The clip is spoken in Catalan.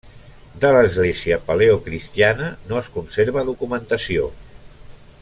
De l'església paleocristiana no es conserva documentació.